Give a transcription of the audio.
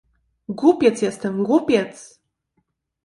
"„Głupiec jestem, głupiec!"